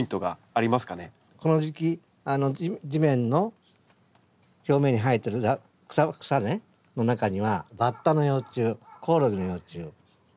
この時期地面の表面に生えてる草の中にはバッタの幼虫コオロギの幼虫たくさんいます。